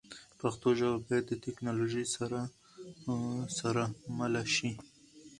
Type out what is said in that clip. پښتو ژبه باید د ټکنالوژۍ سره مله شي.